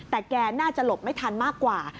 แต่แกน่าจะหลบไม่ทันมากกว่า